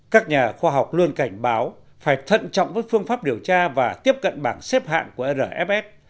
các nhà khoa học luôn cảnh báo phải thận trọng với phương pháp điều tra và tiếp cận bảng xếp hạng của rf